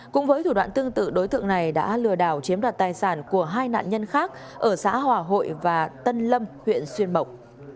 cũng với thủ đoạn tương tự đối tượng này đã lừa đảo chiếm đoạt tài sản của hai nạn nhân khác ở xã hòa hội và tân lâm huyện xuyên mộc